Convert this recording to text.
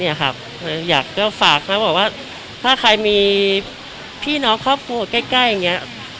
อยากฝากถ้าใครมีพี่น้องครอบครัวใกล้อย่างนี้